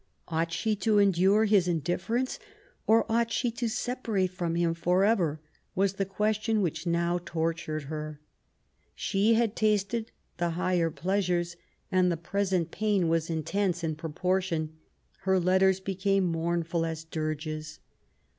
Ought she to endure his indifference, or ought she to separate from him for ever ? was the question which now tor tured her. She had tasted the higher pleasures^ and the present pain was intense in proportion. Her letters became mournful as dirges.